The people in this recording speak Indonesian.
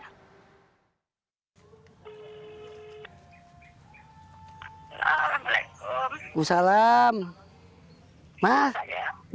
rahmat mengucapkan selat madura dengan berat